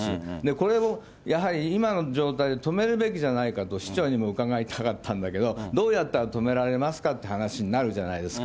これをやはり今の状態、止めるべきじゃないかと市長にも伺いたかったんだけど、どうやったら止められますかって話になるじゃないですか。